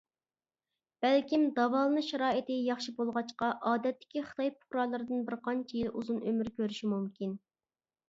بەلكىم داۋالىنىش شارائىتى ياخشى بولغاچقا ئادەتتىكى خىتاي پۇقرالىرىدىن بىر قانچە يىل ئۇزۇن ئۆمۈر كۆرۈشى مۇمكىن.